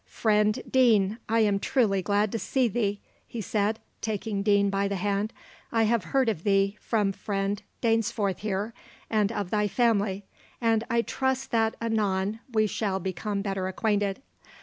"Friend Deane, I am truly glad to see thee," he said, taking Deane by the hand. "I have heard of thee from friend Dainsforth here, and of thy family, and I trust that anon we shall become better acquainted.